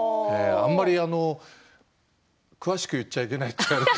あんまり詳しく言っちゃいけないって言われて。